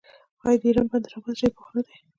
آیا د ایران بندر عباس ډیر بوخت نه دی؟